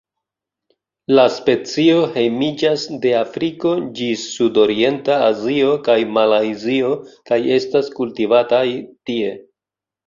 La specio hejmiĝas de Afriko ĝis Sudorienta Azio kaj Malajzio kaj estas kultivataj tie.